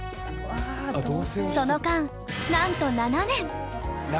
その間なんと７年！